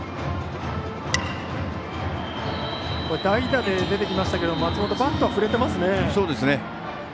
代打で出てきましたけど松本、バットは振れていますね。